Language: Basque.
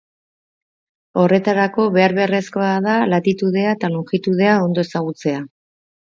Horretarako behar-beharrezkoa da latitudea eta longitudea ondo ezagutzea.